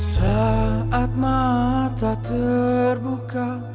saat mata terbuka